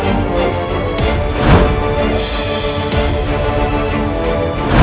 ibu dahat tolong aku